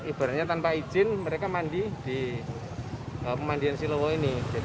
mereka izin mereka mandi di pemandian silowo ini